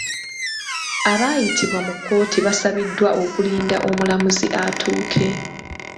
Abaayitibwa mu kkooti basabiddwa okulinda omulamuzi atuuke.